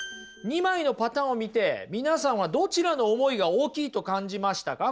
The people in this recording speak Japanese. ２枚のパターンを見て皆さんはどちらの思いが大きいと感じましたか？